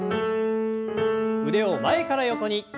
腕を前から横に。